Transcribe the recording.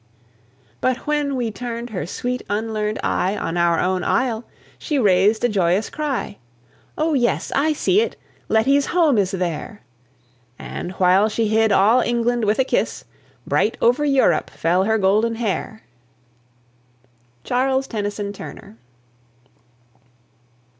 But when we turn'd her sweet unlearned eye On our own isle, she rais'd a joyous cry, "Oh! yes, I see it! Letty's home is there!" And, while she hid all England with a kiss, Bright over Europe fell her golden hair! CHARLES TENNYSON TURNER.